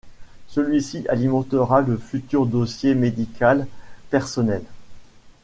Celui-ci alimentera le futur dossier médical personnel.